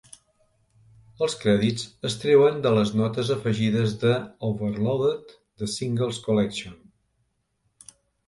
Els crèdits es treuen de les notes afegides de "Overloaded: The Singles Collection".